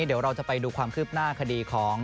เดี๋ยวเราจะไปดูความคืบหน้าคดีของ